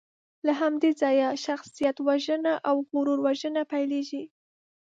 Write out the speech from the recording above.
له همدې ځایه شخصیتوژنه او غرور وژنه پیلېږي.